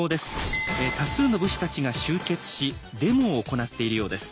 多数の武士たちが集結しデモを行っているようです。